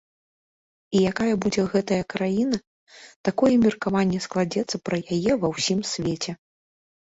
І якая будзе гэтая краіна, такое і меркаванне складзецца пра яе ва ўсім свеце.